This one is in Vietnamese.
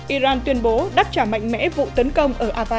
iran tuyên bố đắc trả mạng